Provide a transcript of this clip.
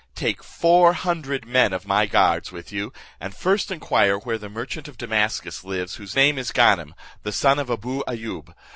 Take four hundred men of my guards with you, and first inquire where a merchant of Damascus lives whose name is Ganem, the son of Abou Ayoub.